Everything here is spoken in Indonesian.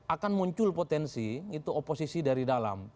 akan muncul potensi itu oposisi dari dalam